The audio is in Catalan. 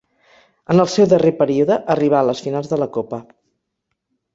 En el seu darrer període, arribà a les finals de la copa.